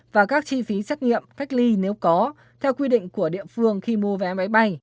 và các chi phí xét nghiệm cách ly nếu có theo quy định của địa phương khi mua vé máy bay